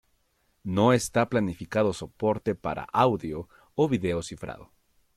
No está planificado soporte para audio o vídeo cifrado.